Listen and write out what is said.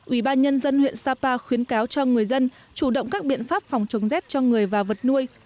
ủy ban nhân dân huyện sapa khuyến cáo cho người dân chủ động các biện pháp phòng chống rét cho người và vật nuôi